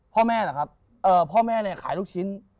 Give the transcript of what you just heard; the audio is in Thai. พ่อแม่เหรอครับพ่อแม่เนี่ยขายลูกชิ้น